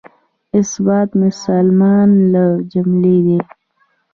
اثبات مسلمات له جملې دی.